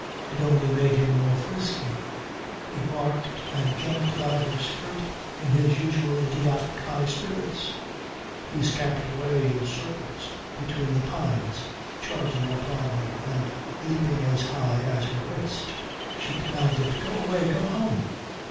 It only made him more frisky. He barked and jumped about her skirt in his usual, idiotic, high spirits. He scampered away in circles between the pines charging upon her and leaping as high as her waist. She commanded, "Go away. Go home."